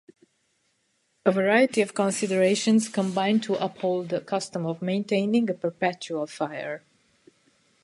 A variety of considerations combined to uphold the custom of maintaining a perpetual fire.